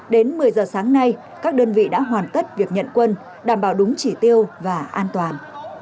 đến một mươi giờ sáng nay các đơn vị đã hoàn tất việc nhận quân đảm bảo đúng chỉ tiêu và an toàn